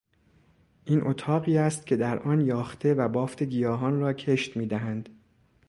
این اتاقی است که در آن یاخته و بافت گیاهان را کشت میدهند.